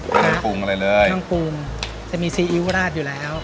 ไปในปรุงอะไรเลยน่องปรุงจะมีซีอิ๊วราดอยู่แล้ว